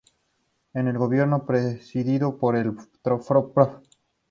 En el gobierno presidido por el Prof.